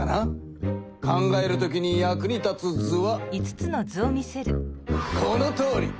考えるときに役に立つ図はこのとおり！